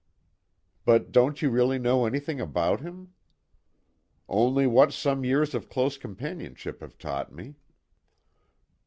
"But don't you really know anything about him?" "Only what some years of close companionship have taught me."